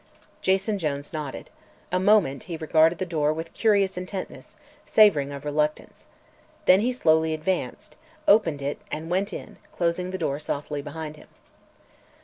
Jason Jones nodded. A moment he regarded the door with curious intentness, savoring of reluctance. Then he slowly advanced, opened it and went in, closing the door softly behind him.